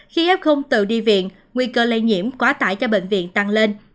khi f tự đi viện nguy cơ lây nhiễm quá tải cho bệnh viện tăng lên